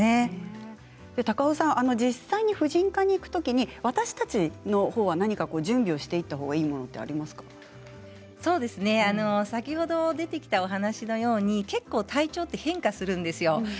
高尾さん、実際に婦人科に行くときに私たちは何か準備をしておいたほうがいいものは先ほど出てきたお話のように結構、体調は変化するんですよ。